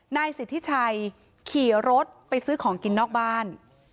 นายสิทธิชัยขี่รถไปซื้อของกินนอกบ้าน